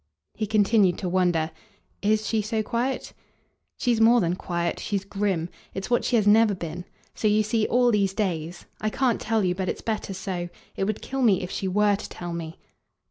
He continued to wonder. "IS she so quiet?" "She's more than quiet. She's grim. It's what she has never been. So you see all these days. I can't tell you but it's better so. It would kill me if she WERE to tell me."